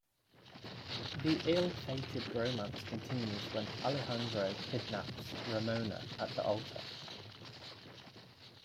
The ill-fated romance continues when Alejandro kidnaps Ramona at the altar.